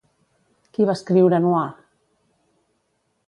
Qui va escriure Noir?